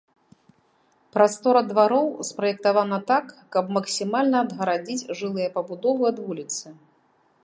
Прастора двароў спраектавана так, каб максімальна адгарадзіць жылыя пабудовы ад вуліцы.